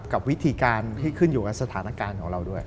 กับวิธีการที่ขึ้นอยู่กับสถานการณ์ของเราด้วย